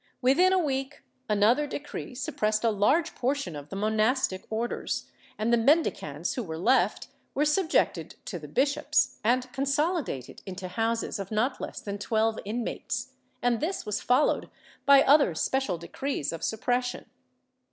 Within a week, another decree suppressed a large portion of the monastic Orders, and the Mendicants who were left were subjected to the bishops and consoHdated into houses of not less than twelve inmates, and this was followed by other special decrees of sup pression.